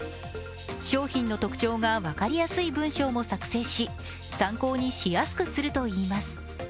商品の特徴が分かりやすい文章も作成し参考にしやすくするといいます。